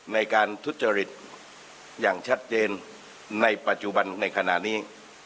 ในการทุจริตอย่างชัดเจนในปัจจุบันในขณะนี้